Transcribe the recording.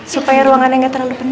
supaya ruangannya nggak terlalu penuh